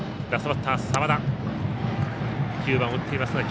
澤田、９番を打っています。